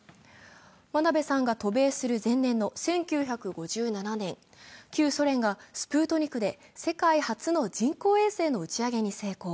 真鍋さんが渡米する前年の１９５７年、旧ソ連がスプートニクで世界初の人工衛星の打ち上げに成功。